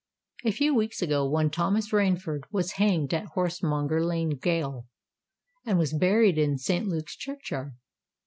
A few weeks ago one Thomas Rainford was hanged at Horsemonger Lane gaol, and was buried in St. Luke's churchyard.